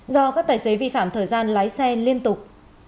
do các tài xế vi phạm thời gian lái xe liên tục